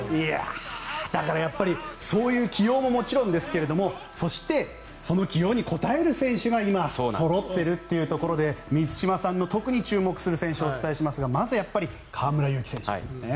だからそういう起用ももちろんですがそして、その起用に応える選手が今、そろってるというところで満島さんの特に注目する選手をお伝えしますがまずはやっぱり河村勇輝選手ですね。